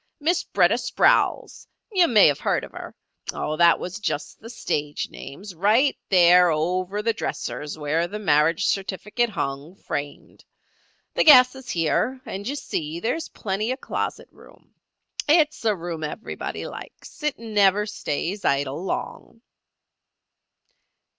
Miss B'retta Sprowls—you may have heard of her—Oh, that was just the stage names—right there over the dresser is where the marriage certificate hung, framed. The gas is here, and you see there is plenty of closet room. It's a room everybody likes. It never stays idle long."